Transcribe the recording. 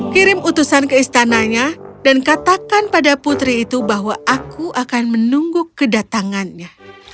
kirim utusan ke istananya dan katakan pada putri itu bahwa aku akan menunggu kedatangannya